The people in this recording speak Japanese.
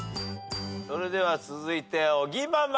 それでは続いて尾木ママ。